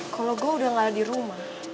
kalau gue udah gak ada di rumah